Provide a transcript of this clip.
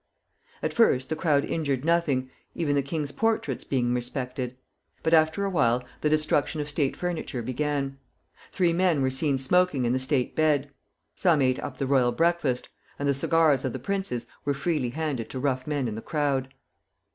At first the crowd injured nothing, even the king's portraits being respected; but after a while the destruction of state furniture began. Three men were seen smoking in the state bed; some ate up the royal breakfast; and the cigars of the princes were freely handed to rough men in the crowd.